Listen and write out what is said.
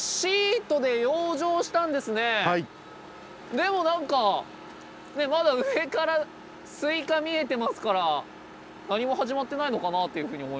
でもなんかまだ上からスイカ見えてますから何も始まってないのかなというふうに思いますけど。